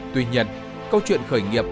tuy nhiên câu chuyện khởi nghiệp